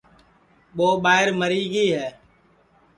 ٻو ٻائیر مری گی ہے